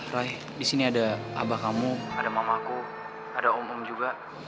raya disini ada abah kamu ada mamah aku ada om om juga